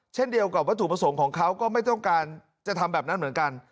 เช่นเดียวกับวัตถุประสงค์ของเขาก็ไม่ต้องการจะทำแบบนั้นเหมือนกัน